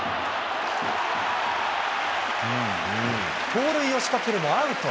盗塁を仕掛けるもアウト。